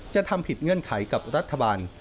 จะทำผิดเงื่อนไขกับรัฐบาล